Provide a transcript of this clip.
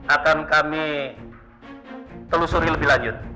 akan kami telusuri lebih lanjut